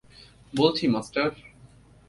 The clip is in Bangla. বলছি, মাস্টার।